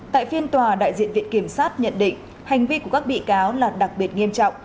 tại phiên tòa đại diện viện kiểm sát nhận định hành vi của các bị cáo là đặc biệt nghiêm trọng